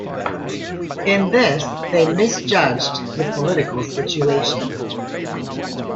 In this, they misjudged the political situation.